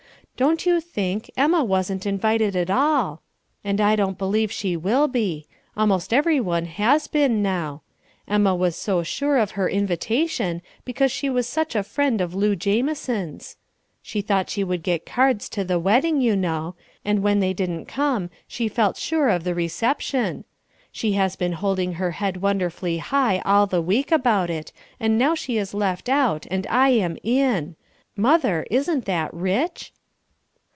Don't you think, Emma wasn't invited at all, and I don't believe she will be; almost everyone has been now. Emma was so sure of her invitation, because she was such a friend of Lu Jamison's. She thought she would get cards to the wedding, you know; and when they didn't come she felt sure of the reception. She has been holding her head wonderfully high all the week about it, and now she is left out and I am in. Mother, isn't that rich?"